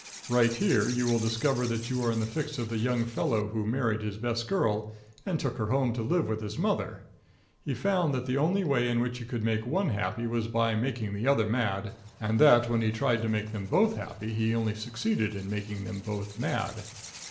Right here you will discover that you are in the fix of the young fellow who married his best girl and took her home to live with his mother. He found that the only way in which he could make one happy was by making the other mad, and that when he tried to make them both happy he only succeeded in making them both mad.